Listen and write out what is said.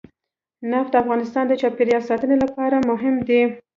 نفت د افغانستان د چاپیریال ساتنې لپاره مهم دي.